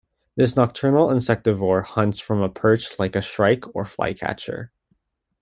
This nocturnal insectivore hunts from a perch like a shrike or flycatcher.